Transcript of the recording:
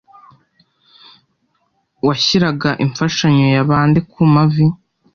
washyiraga imfashanyo ya bande ku mavi